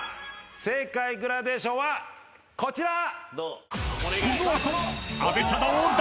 正解グラデーションはこちら。